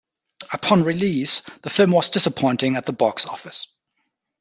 Upon release, the film was disappointing at the box office.